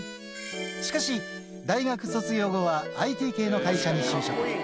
しかし、大学卒業後はＩＴ系の会社に就職。